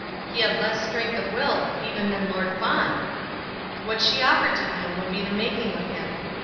He had less strength of will even than Lord Fawn! What she offered to him would be the making of him.